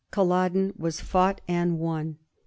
Culloden was fought and won.